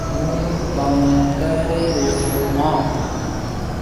هُون ڪوم ڪري ريو هون۔